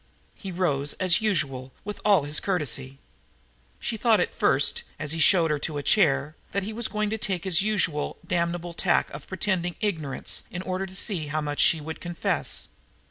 He rose, as usual, with all his courtesy. She thought at first, as he showed her to a chair, that he was going to take his usual damnable tack of pretended ignorance in order to see how much she would confess.